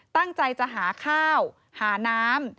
ตั้งใจจะหาข้าวหาน้ำ